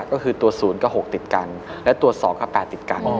ก็คือตัว๐กับ๖ติดกันและตัว๒กับ๘ติดกัน